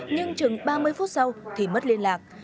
nhưng chừng ba mươi phút sau thì mất liên lạc